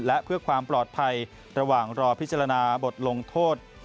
และเพื่อความปลอดภัยระหว่างรอพิจารณาบทลงโทษ